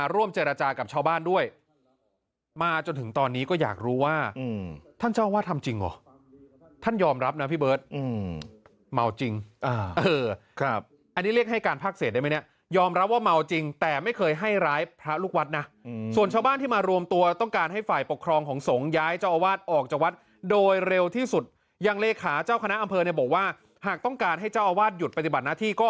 ร่วมเจรจากับชาวบ้านด้วยมาจนถึงตอนนี้ก็อยากรู้ว่าท่านเจ้าอาวาสทำจริงหรอท่านยอมรับนะพี่เบิร์ทอืมเมาจริงครับอันนี้เรียกให้การพักเสร็จได้ไหมเนี่ยยอมรับว่าเมาจริงแต่ไม่เคยให้ร้ายพระลูกวัดนะส่วนชาวบ้านที่มารวมตัวต้องการให้ฝ่ายปกครองของสงฆ์ย้ายเจ้าอาวาสออกจากวัดโดยเร็วที่